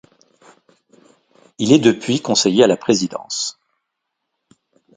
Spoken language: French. Il est depuis conseiller à la présidence.